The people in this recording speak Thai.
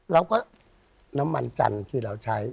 แล้วก็น้ำมันจันทร์ที่เราใช้